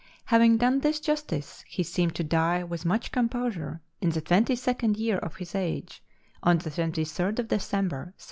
Having done this justice, he seemed to die with much composure, in the twenty second year of his age, on the 23rd of December, 1730.